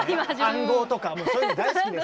暗号とかもうそういうの大好きですね。